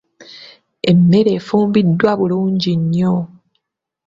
Emmere efumbiddwa bulungi nnyo.